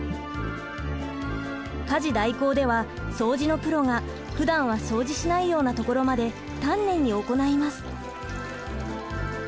家事代行では掃除のプロがふだんは掃除しないようなところまで丹念に行います。